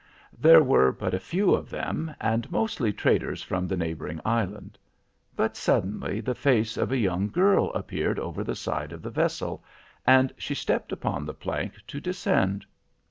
There were but a few of them, and mostly traders from the neighboring island. But suddenly the face of a young girl appeared over the side of the vessel, and she stepped upon the plank to descend.